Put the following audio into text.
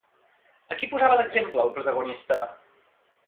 A qui posava d'exemple, el protagonista?